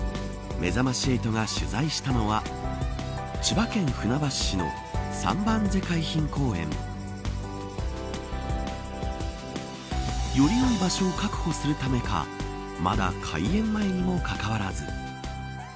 めざまし８が取材したのは千葉県船橋市の三番瀬海浜公園。よりよい場所を確保するためかまだ開園前にもかかわらず。